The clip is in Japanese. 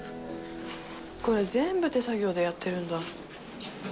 これ全部、手作業でやってるんだ。